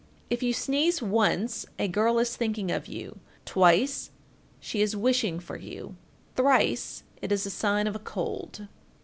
If you sneeze once, a girl is thinking of you; twice, she is wishing for you; thrice, it is a sign of a cold.